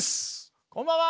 こんばんは！